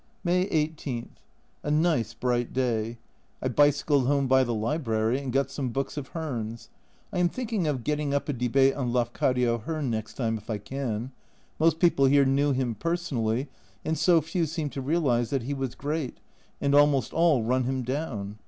May 18. A nice bright day. I bicycled home by A Journal from Japan 159 the library and got some books of Ream's ; I am thinking of getting up a Debate on Lafcadio Hearn next time, if I can ; most people here knew him personally and so few seem to realise that he was great, and almost all run him down